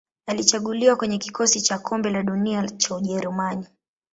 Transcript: Alichaguliwa kwenye kikosi cha Kombe la Dunia cha Ujerumani.